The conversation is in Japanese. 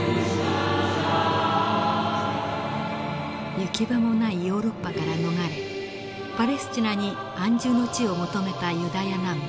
行き場もないヨーロッパから逃れパレスチナに安住の地を求めたユダヤ難民。